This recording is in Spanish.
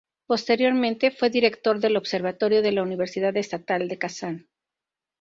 Posteriormente fue director del Observatorio de la Universidad Estatal de Kazán.